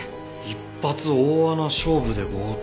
一発大穴勝負で強盗か。